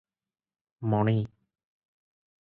ମଣି!-"